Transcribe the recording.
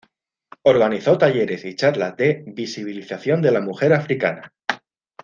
Organizó talleres y charlas de visibilización de la mujer africana.